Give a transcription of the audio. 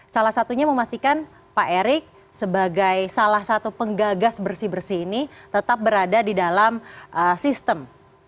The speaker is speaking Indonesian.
salah satunya memastikan pak erick sebagai salah satu penggagas bersih bersih ini tetap berada di dalam sistem